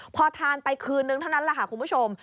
พอทานไปคืนนึงเท่านั้นแหละค่ะคุณผู้ชม